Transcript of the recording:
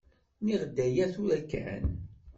Nniɣ-d aya tura kan?